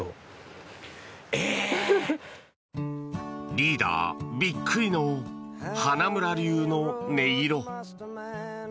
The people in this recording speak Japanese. リーダー、ビックリの花村流の音色。